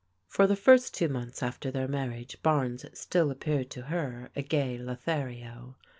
For the first two months after their marriage Bames still appeared to her a gay Lothario.